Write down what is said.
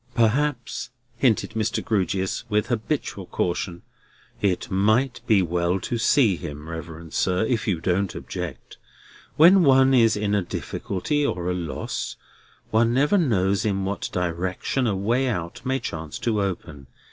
"Perhaps," hinted Mr. Grewgious, with habitual caution, "it might be well to see him, reverend sir, if you don't object. When one is in a difficulty or at a loss, one never knows in what direction a way out may chance to open.